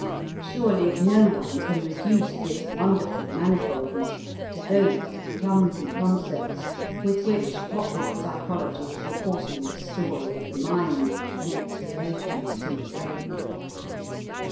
Surely no one can reduce this wonderful manifoldness to those clumsy concepts with which popular psychology is reporting the story of the mind and its relations to the brain.